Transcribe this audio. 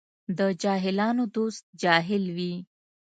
د جاهلانو دوست جاهل وي.